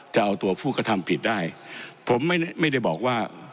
จะเอาตัวผู้กระทำผิดได้ผมไม่ได้ไม่ได้บอกว่า